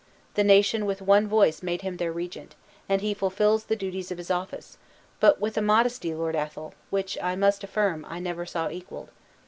The nation with one voice made him their regent; and he fulfills the duties of his office but with a modesty, Lord Athol, which, I must affirm, I never saw equaled.